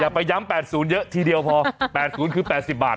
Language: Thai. ไปย้ำ๘๐เยอะทีเดียวพอ๘๐คือ๘๐บาท